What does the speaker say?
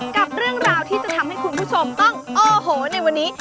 กับเรื่องราวที่จะทำให้คุณผู้ชมต้องโอ้โหในวันนี้